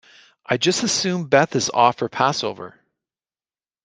I just assume Beth is off for passover